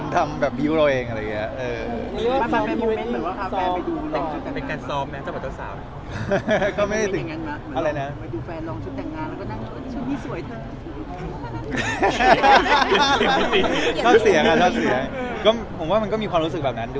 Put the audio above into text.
แต่พีชยังจะทายมาโหยีวกัน